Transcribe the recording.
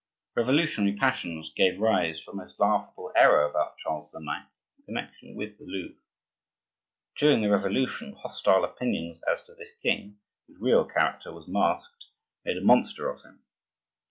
Revolutionary passions gave rise to a most laughable error about Charles IX., in connection with the Louvre. During the Revolution hostile opinions as to this king, whose real character was masked, made a monster of him.